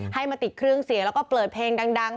ให้มาติดเครื่องเสียงแล้วก็เปิดเพลงดัง